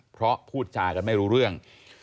เพราะพูดจากันไม่รู้เรื่อง